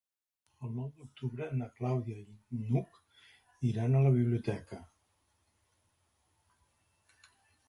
El nou d'octubre na Clàudia i n'Hug iran a la biblioteca.